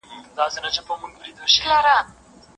لار یې ورکه کړه په ځان پوري حیران سو